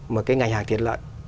mà cái ngành hàng tiền lợi